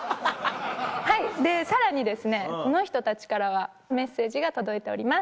はいでさらにこの人たちからはメッセージが届いております。